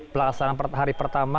pelaksanaan hari pertama